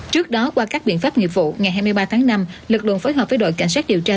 trước đó qua các biện pháp nghiệp vụ ngày hai mươi ba tháng năm lực lượng phối hợp với đội cảnh sát điều tra